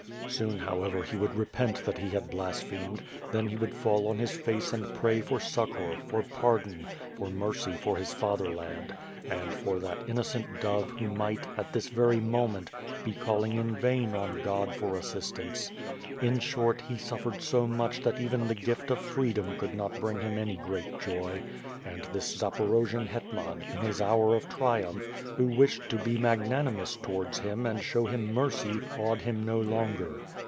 *' Soon, however, he would repent that he had blasphemed; then he would fall on his face and pray for succor, for pardon, for mercy for his fatherland, and for that innocent dove who 1 A Cossack Coloners baton that took the place of a safe conduct. ,98 • ^^'^H ^tntl AXD SWORD. might, at this very moment, be calling in vain on God for assistance. In short, he suifered so much that even the gift of freedom could not bring him any great joy, and this Za porojian hetman, in his hour of triumph, who wished to be magnanimous towards him and show him mercy awed him no longer.